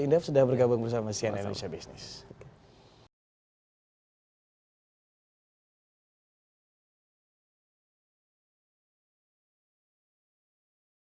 indef sudah bergabung bersama sian indonesia business